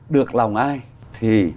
được lòng ai